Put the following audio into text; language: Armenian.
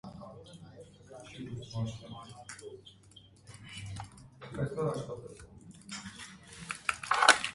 Դրդապատճառները լինում են ուժեղ, թույլ, մշտական և ժամանակավոր, դրական և բացասական։